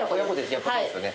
やっぱそうですよね。